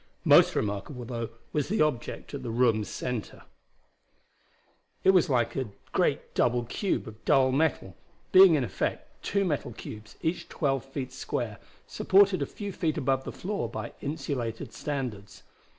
Most remarkable, though, was the object at the room's center. It was like a great double cube of dull metal, being in effect two metal cubes each twelve feet square, supported a few feet above the floor by insulated standards.